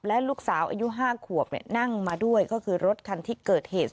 และลูกสาวอายุ๕ขวบนั่งมาด้วยก็คือรถคันที่เกิดเหตุ